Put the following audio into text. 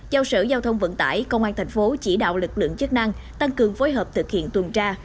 giao sở giao thông vận tải công an thành phố chỉ đạo lực lượng chức năng tăng cường phối hợp thực hiện tuần tra